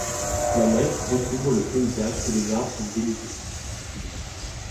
La neige recouvre le paysage et les arbres sont dénudés.